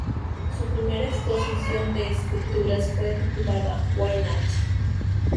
Su primera exposición de esculturas fue titulada ""Why Not?